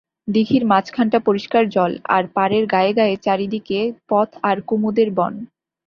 দিঘির মাঝখানটা পরিষ্কার জল আর পাড়ের গায়ে গায়ে চারি দিকে পথ আর কুমুদের বন।